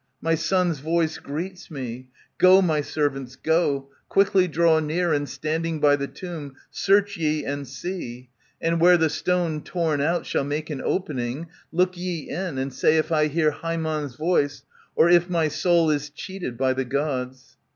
My son's voice greets me. Go, my servants, gOj Quickly draw near, and standing by the tomb, Search ye and see ; and where the stone torn out Shall make an opening, look ye in, and say If I hear Haemon's voice, or if my soul Is cheated by the Gods."